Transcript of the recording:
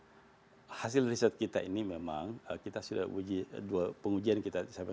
jadi hasil riset kita ini memang kita sudah uji pengujian kita sampai tadi pertama